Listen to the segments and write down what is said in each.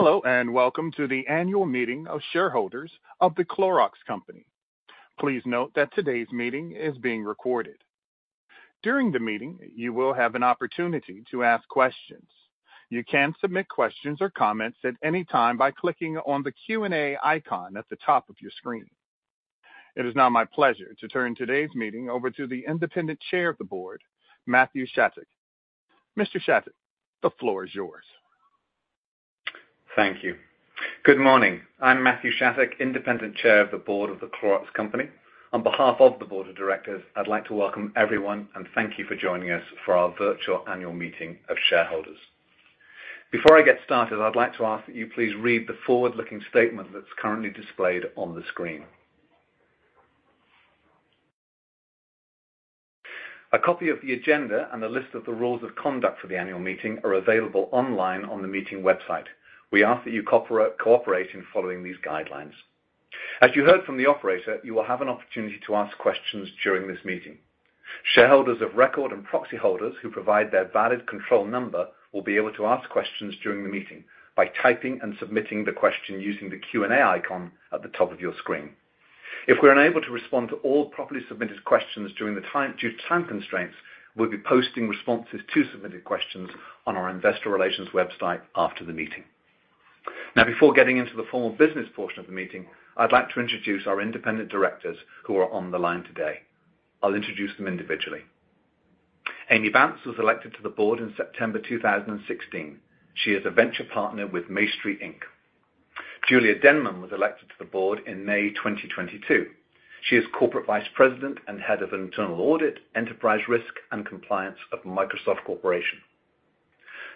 Hello and welcome to the annual meeting of shareholders of The Clorox Company. Please note that today's meeting is being recorded. During the meeting, you will have an opportunity to ask questions. You can submit questions or comments at any time by clicking on the Q&A icon at the top of your screen. It is now my pleasure to turn today's meeting over to the independent chair of the board, Matthew Shattock. Mr. Shattock, the floor is yours. Thank you. Good morning. I'm Matthew Shattock, independent chair of the board of The Clorox Company. On behalf of the board of directors, I'd like to welcome everyone and thank you for joining us for our virtual annual meeting of shareholders. Before I get started, I'd like to ask that you please read the forward-looking statement that's currently displayed on the screen. A copy of the agenda and a list of the rules of conduct for the annual meeting are available online on the meeting website. We ask that you cooperate in following these guidelines. As you heard from the operator, you will have an opportunity to ask questions during this meeting. Shareholders of record and proxy holders who provide their valid control number will be able to ask questions during the meeting by typing and submitting the question using the Q&A icon at the top of your screen. If we're unable to respond to all properly submitted questions due to time constraints, we'll be posting responses to submitted questions on our investor relations website after the meeting. Now, before getting into the formal business portion of the meeting, I'd like to introduce our independent directors who are on the line today. I'll introduce them individually. Amy Banse was elected to the board in September 2016. She is a venture partner with Maestri Inc. Julia Denman was elected to the board in May 2022. She is corporate vice president and head of internal audit, enterprise risk, and compliance of Microsoft Corporation.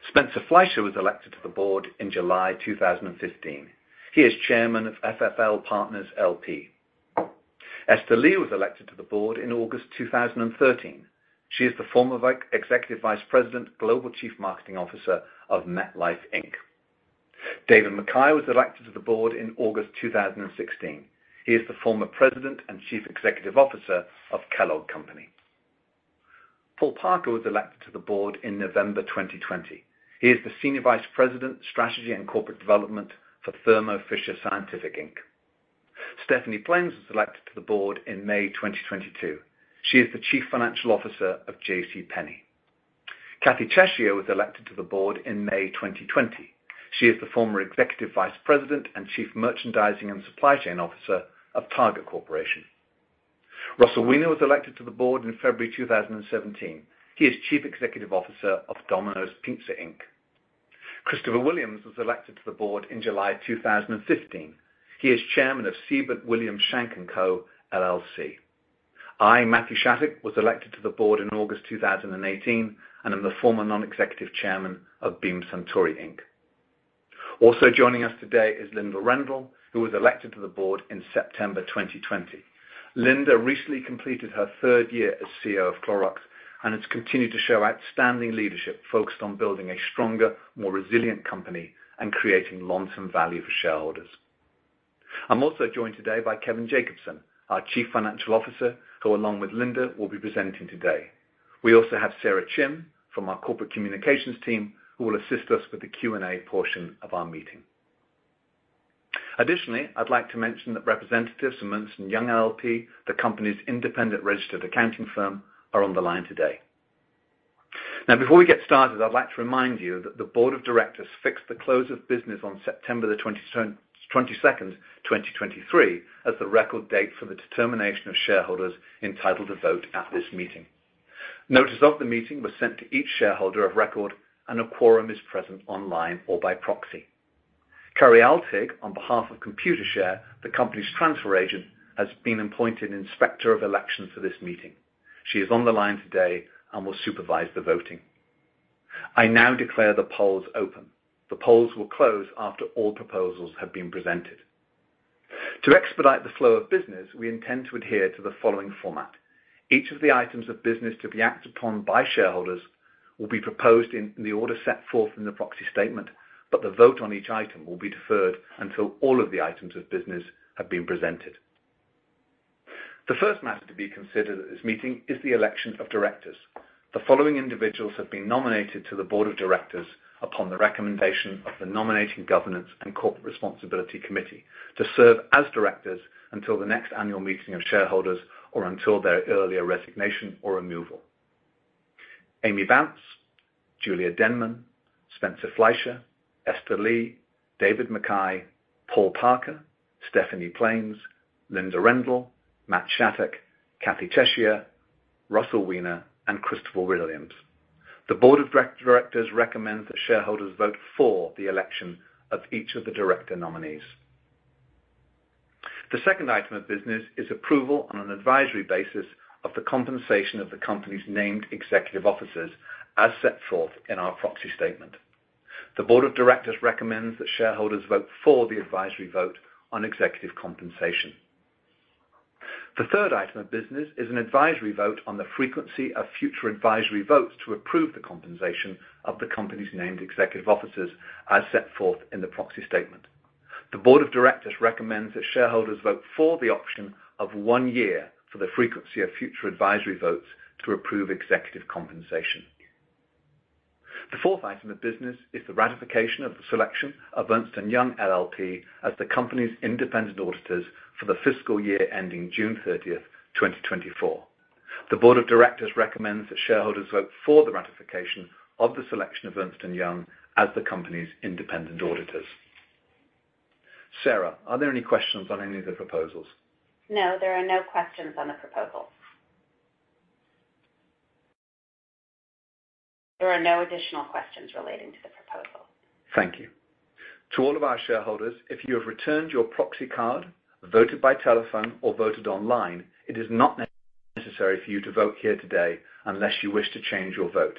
Spencer Fleischer was elected to the board in July 2015. He is chairman of FFL Partners LP. Esther Lee was elected to the board in August 2013. She is the former executive vice president, global chief marketing officer of MetLife Inc. David MacKay was elected to the board in August 2016. He is the former president and chief executive officer of Kellogg Company. Paul Parker was elected to the board in November 2020. He is the senior vice president, strategy and corporate development for Thermo Fisher Scientific Inc. Stephanie Plaines was elected to the board in May 2022. She is the chief financial officer of JC Penney. Kathee Tesija was elected to the board in May 2020. She is the former executive vice president and chief merchandising and supply chain officer of Target Corporation. Russell Weiner was elected to the board in February 2017. He is chief executive officer of Domino's Pizza. Christopher Williams was elected to the board in July 2015. He is chairman of Seabird Williams Shank and Co. I, Matthew Shattock, was elected to the board in August 2018 and am the former non-executive chairman of Beam Suntory Inc. Also joining us today is Linda Rendle, who was elected to the board in September 2020. Linda recently completed her third year as CEO of Clorox and has continued to show outstanding leadership focused on building a stronger, more resilient company and creating long-term value for shareholders. I'm also joined today by Kevin Jacobsen, our Chief Financial Officer, who, along with Linda, will be presenting today. We also have Sarah Chin from our corporate communications team, who will assist us with the Q&A portion of our meeting. Additionally, I'd like to mention that representatives from Ernst & Young LLP, the company's independent registered accounting firm, are on the line today. Now, before we get started, I'd like to remind you that the board of directors fixed the close of business on September 22, 2023, as the record date for the determination of shareholders entitled to vote at this meeting. Notice of the meeting was sent to each shareholder of record, and a quorum is present online or by proxy. Kari Altig, on behalf of ComputerShare, the company's transfer agent, has been appointed inspector of elections for this meeting. She is on the line today and will supervise the voting. I now declare the polls open. The polls will close after all proposals have been presented. To expedite the flow of business, we intend to adhere to the following format. Each of the items of business to be acted upon by shareholders will be proposed in the order set forth in the proxy statement, but the vote on each item will be deferred until all of the items of business have been presented. The first matter to be considered at this meeting is the election of directors. The following individuals have been nominated to the board of directors upon the recommendation of the Nominating Governance and Corporate Responsibility Committee to serve as directors until the next annual meeting of shareholders or until their earlier resignation or removal. Amy Banse, Julia Denman, Spencer Fleischer, Esther Lee, David MacKay, Paul Parker, Stephanie Plaines, Linda Rendle, Matthew Shattock, Kathee Tesija, Russell Weiner, and Christopher Williams. The board of directors recommends that shareholders vote for the election of each of the director nominees. The second item of business is approval on an advisory basis of the compensation of the company's named executive officers, as set forth in our proxy statement. The Board of Directors recommends that shareholders vote for the advisory vote on executive compensation. The third item of business is an advisory vote on the frequency of future advisory votes to approve the compensation of the company's named executive officers, as set forth in the proxy statement. The Board of Directors recommends that shareholders vote for the option of one year for the frequency of future advisory votes to approve executive compensation. The fourth item of business is the ratification of the selection of Ernst & Young LLP as the company's independent auditors for the fiscal year ending June 30, 2024. The board of directors recommends that shareholders vote for the ratification of the selection of Ernst & Young LLP as the company's independent auditors. Sarah, are there any questions on any of the proposals? No, there are no questions on the proposal. There are no additional questions relating to the proposal. Thank you. To all of our shareholders, if you have returned your proxy card, voted by telephone, or voted online, it is not necessary for you to vote here today unless you wish to change your vote.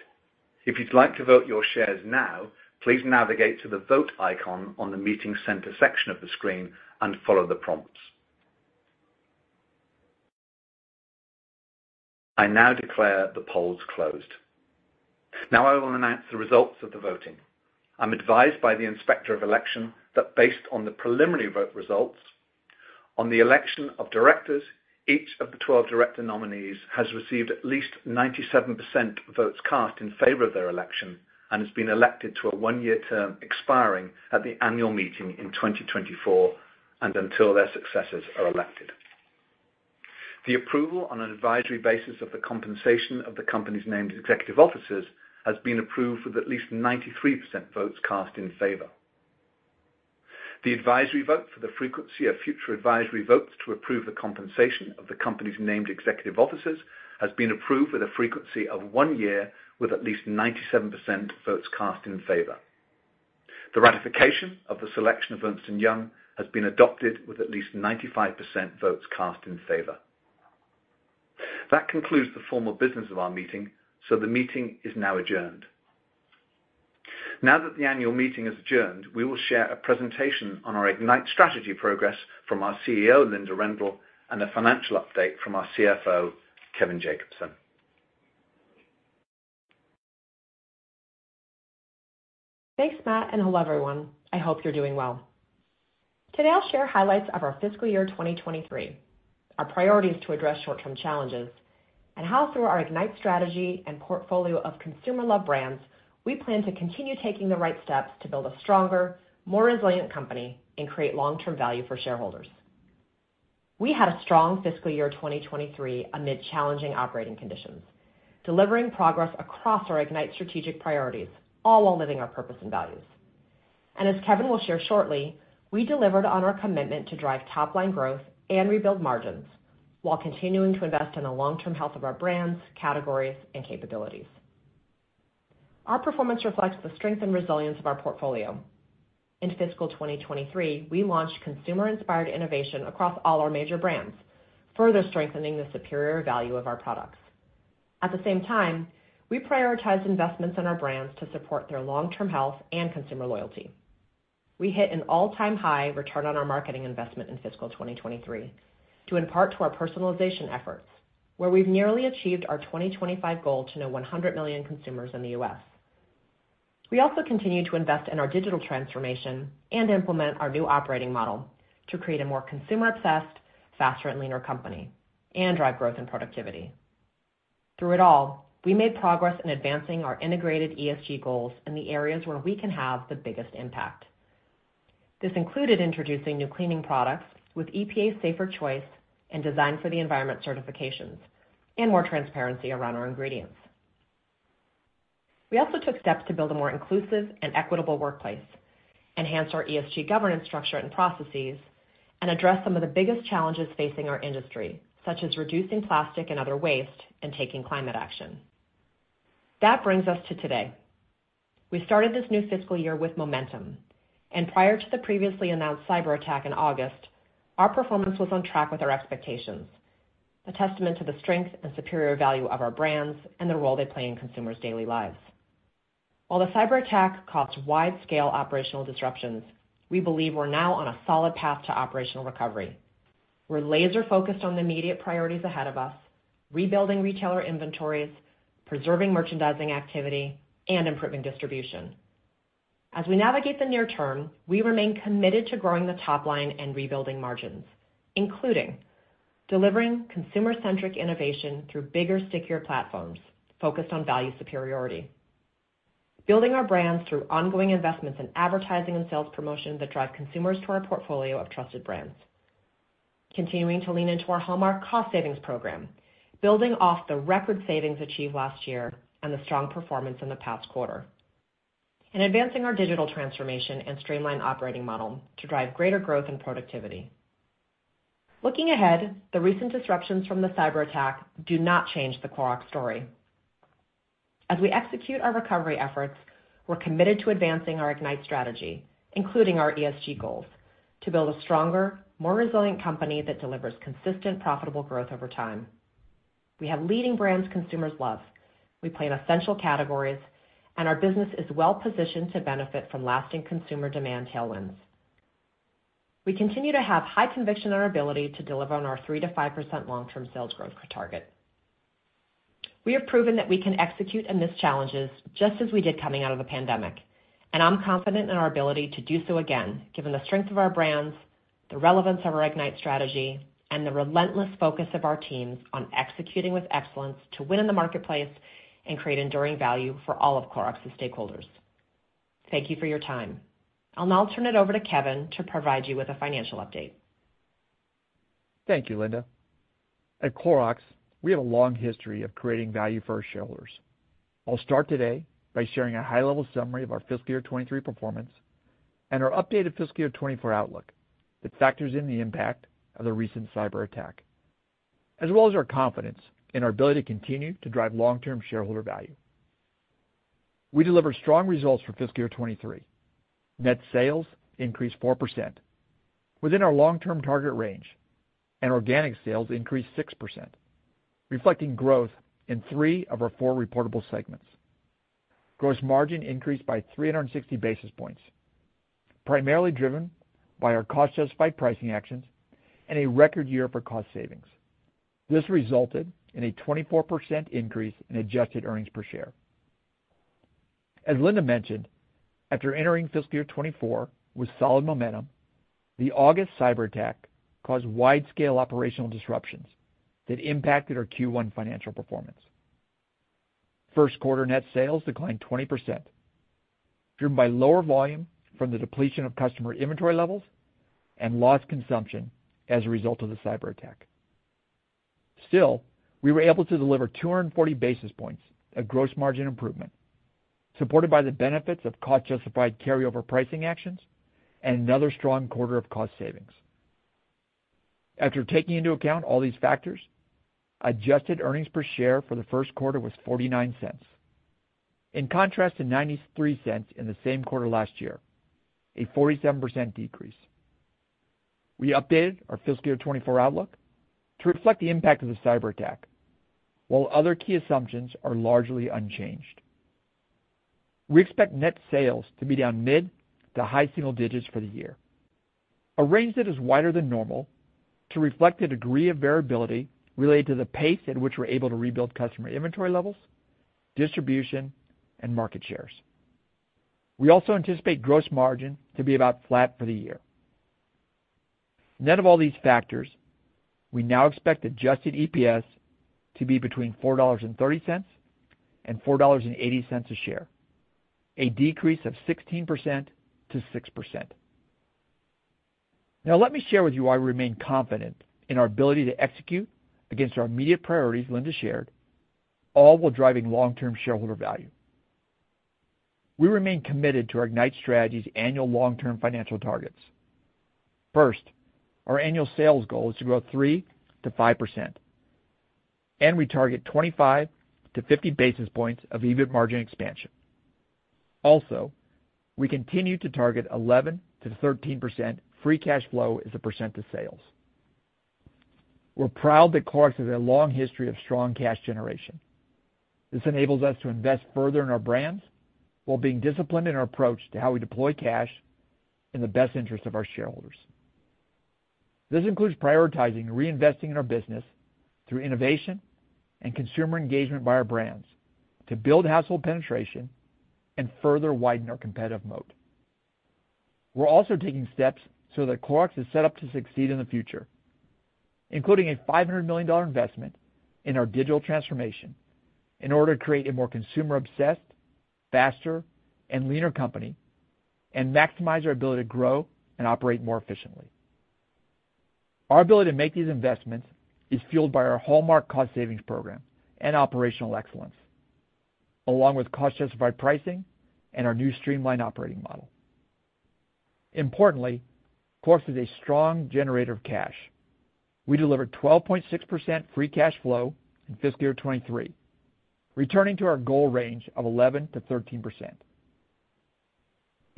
If you'd like to vote your shares now, please navigate to the vote icon on the meeting center section of the screen and follow the prompts. I now declare the polls closed. Now I will announce the results of the voting. I'm advised by the inspector of election that, based on the preliminary vote results, on the election of directors, each of the 12 director nominees has received at least 97% votes cast in favor of their election and has been elected to a one-year term expiring at the annual meeting in 2024 and until their successors are elected. The approval on an advisory basis of the compensation of the company's named executive officers has been approved with at least 93% votes cast in favor. The advisory vote for the frequency of future advisory votes to approve the compensation of the company's named executive officers has been approved with a frequency of one year with at least 97% votes cast in favor. The ratification of the selection of Ernst & Young LLP has been adopted with at least 95% votes cast in favor. That concludes the formal business of our meeting, so the meeting is now adjourned. Now that the annual meeting is adjourned, we will share a presentation on our Ignite strategy progress from our CEO, Linda Rendle, and a financial update from our CFO, Kevin Jacobsen. Thanks, Matt, and hello, everyone. I hope you're doing well. Today, I'll share highlights of our fiscal year 2023, our priorities to address short-term challenges, and how, through our Ignite strategy and portfolio of consumer-love brands, we plan to continue taking the right steps to build a stronger, more resilient company and create long-term value for shareholders. We had a strong fiscal year 2023 amid challenging operating conditions, delivering progress across our Ignite strategic priorities, all while living our purpose and values. As Kevin will share shortly, we delivered on our commitment to drive top-line growth and rebuild margins while continuing to invest in the long-term health of our brands, categories, and capabilities. Our performance reflects the strength and resilience of our portfolio. In fiscal 2023, we launched consumer-inspired innovation across all our major brands, further strengthening the superior value of our products. At the same time, we prioritized investments in our brands to support their long-term health and consumer loyalty. We hit an all-time high return on our marketing investment in fiscal 2023, in part due to our personalization efforts, where we've nearly achieved our 2025 goal to know 100 million consumers in the US. We also continue to invest in our digital transformation and implement our new operating model to create a more consumer-obsessed, faster, and leaner company and drive growth and productivity. Through it all, we made progress in advancing our integrated ESG goals in the areas where we can have the biggest impact. This included introducing new cleaning products with EPA Safer Choice and Design for the Environment certifications and more transparency around our ingredients. We also took steps to build a more inclusive and equitable workplace, enhance our ESG governance structure and processes, and address some of the biggest challenges facing our industry, such as reducing plastic and other waste and taking climate action. That brings us to today. We started this new fiscal year with momentum. Prior to the previously announced cyber attack in August, our performance was on track with our expectations, a testament to the strength and superior value of our brands and the role they play in consumers' daily lives. While the cyber attack caused wide-scale operational disruptions, we believe we're now on a solid path to operational recovery. We're laser-focused on the immediate priorities ahead of us: rebuilding retailer inventories, preserving merchandising activity, and improving distribution. As we navigate the near term, we remain committed to growing the top line and rebuilding margins, including delivering consumer-centric innovation through bigger, stickier platforms focused on value superiority, building our brands through ongoing investments in advertising and sales promotion that drive consumers to our portfolio of trusted brands, continuing to lean into our hallmark cost savings program, building off the record savings achieved last year and the strong performance in the past quarter, and advancing our digital transformation and streamlined operating model to drive greater growth and productivity. Looking ahead, the recent disruptions from the cyber attack do not change the Clorox story. As we execute our recovery efforts, we're committed to advancing our Ignite strategy, including our ESG goals, to build a stronger, more resilient company that delivers consistent, profitable growth over time. We have leading brands consumers love. We play in essential categories, and our business is well-positioned to benefit from lasting consumer demand tailwinds. We continue to have high conviction in our ability to deliver on our 3-5% long-term sales growth target. We have proven that we can execute and miss challenges just as we did coming out of the pandemic, and I'm confident in our ability to do so again, given the strength of our brands, the relevance of our Ignite strategy, and the relentless focus of our teams on executing with excellence to win in the marketplace and create enduring value for all of Clorox's stakeholders. Thank you for your time. I'll now turn it over to Kevin to provide you with a financial update. Thank you, Linda. At Clorox, we have a long history of creating value for our shareholders. I'll start today by sharing a high-level summary of our fiscal year 2023 performance and our updated fiscal year 2024 outlook that factors in the impact of the recent cyber attack, as well as our confidence in our ability to continue to drive long-term shareholder value. We delivered strong results for fiscal year 2023. Net sales increased 4% within our long-term target range, and organic sales increased 6%, reflecting growth in three of our four reportable segments. Gross margin increased by 360 basis points, primarily driven by our cost-justified pricing actions and a record year for cost savings. This resulted in a 24% increase in adjusted earnings per share. As Linda mentioned, after entering fiscal year 2024 with solid momentum, the August cyber attack caused wide-scale operational disruptions that impacted our Q1 financial performance. First quarter net sales declined 20%, driven by lower volume from the depletion of customer inventory levels and lost consumption as a result of the cyber attack. Still, we were able to deliver 240 basis points of gross margin improvement, supported by the benefits of cost-justified carryover pricing actions and another strong quarter of cost savings. After taking into account all these factors, adjusted earnings per share for the first quarter was $0.49, in contrast to $0.93 in the same quarter last year, a 47% decrease. We updated our fiscal year 2024 outlook to reflect the impact of the cyber attack, while other key assumptions are largely unchanged. We expect net sales to be down mid to high single digits for the year, a range that is wider than normal to reflect the degree of variability related to the pace at which we're able to rebuild customer inventory levels, distribution, and market shares. We also anticipate gross margin to be about flat for the year. Net of all these factors, we now expect adjusted EPS to be between $4.30 and $4.80 a share, a decrease of 16% to 6%. Now, let me share with you why we remain confident in our ability to execute against our immediate priorities Linda shared, all while driving long-term shareholder value. We remain committed to our Ignite strategy's annual long-term financial targets. First, our annual sales goal is to grow 3% to 5%, and we target 25 to 50 basis points of EBIT margin expansion. Also, we continue to target 11%-13% free cash flow as a percent of sales. We're proud that Clorox has a long history of strong cash generation. This enables us to invest further in our brands while being disciplined in our approach to how we deploy cash in the best interest of our shareholders. This includes prioritizing reinvesting in our business through innovation and consumer engagement by our brands to build household penetration and further widen our competitive moat. We're also taking steps so that Clorox is set up to succeed in the future, including a $500 million investment in our digital transformation in order to create a more consumer-obsessed, faster, and leaner company and maximize our ability to grow and operate more efficiently. Our ability to make these investments is fueled by our hallmark cost savings program and operational excellence, along with cost-justified pricing and our new streamlined operating model. Importantly, Clorox is a strong generator of cash. We delivered 12.6% free cash flow in fiscal year 2023, returning to our goal range of 11%-13%.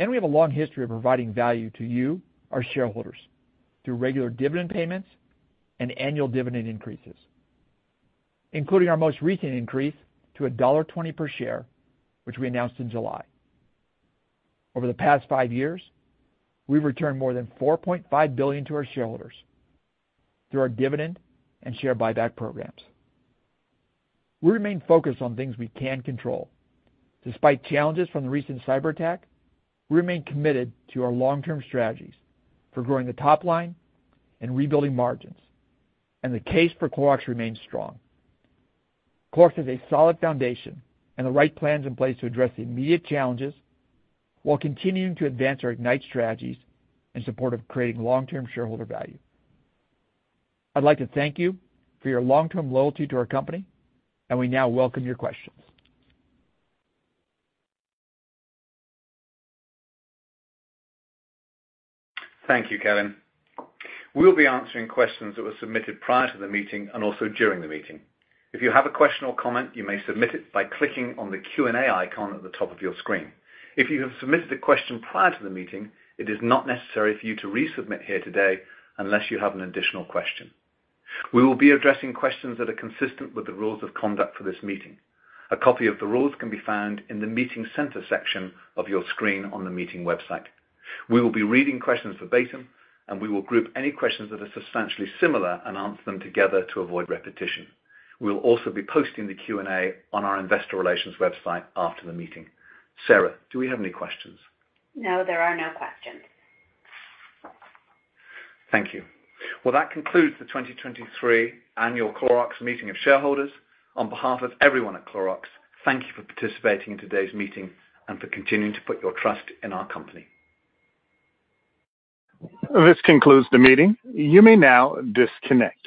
We have a long history of providing value to you, our shareholders, through regular dividend payments and annual dividend increases, including our most recent increase to $1.20 per share, which we announced in July. Over the past five years, we've returned more than $4.5 billion to our shareholders through our dividend and share buyback programs. We remain focused on things we can control. Despite challenges from the recent cyber attack, we remain committed to our long-term strategies for growing the top line and rebuilding margins, and the case for Clorox remains strong. Clorox has a solid foundation and the right plans in place to address the immediate challenges while continuing to advance our Ignite strategies in support of creating long-term shareholder value. I'd like to thank you for your long-term loyalty to our company, and we now welcome your questions. Thank you, Kevin. We'll be answering questions that were submitted prior to the meeting and also during the meeting. If you have a question or comment, you may submit it by clicking on the Q&A icon at the top of your screen. If you have submitted a question prior to the meeting, it is not necessary for you to resubmit here today unless you have an additional question. We will be addressing questions that are consistent with the rules of conduct for this meeting. A copy of the rules can be found in the Meeting Center section of your screen on the meeting website. We will be reading questions verbatim, and we will group any questions that are substantially similar and answer them together to avoid repetition. We will also be posting the Q&A on our Investor Relations website after the meeting. Sarah, do we have any questions? No, there are no questions. Thank you. That concludes the 2023 Annual Clorox Meeting of Shareholders. On behalf of everyone at Clorox, thank you for participating in today's meeting and for continuing to put your trust in our company. This concludes the meeting. You may now disconnect.